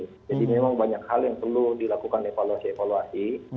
jadi memang banyak hal yang perlu dilakukan evaluasi evaluasi